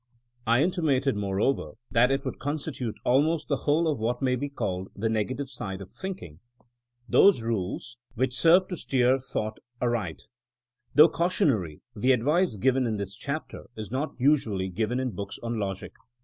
I intimated) moreover, that it would coli stitute almost the whole of what may be called the negative side of thinking — ^those rules which serve to steer thought aright Though cau tionary, the advice given in this chapter is not usually given in books on logic.